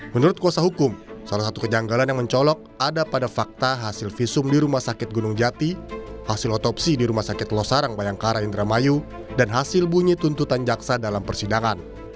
menurut kuasa hukum salah satu kejanggalan yang mencolok ada pada fakta hasil visum di rumah sakit gunung jati hasil otopsi di rumah sakit losarang bayangkara indramayu dan hasil bunyi tuntutan jaksa dalam persidangan